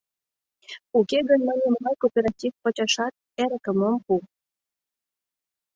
Уке гын, мый нимогай кооператив почашат эрыкым ом пу.